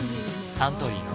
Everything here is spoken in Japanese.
サントリーから！